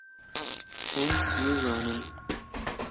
hûn nizanin.